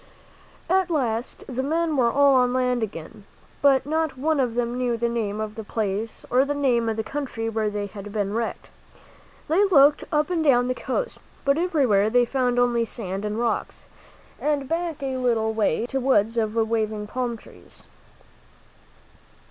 At last the men were all on land again, but not one of them knew the name of the place or the name of the country where they had been wrecked. They looked up and down the coast, but everywhere they found only sand and rocks, and back a little way great woods of waving palm trees.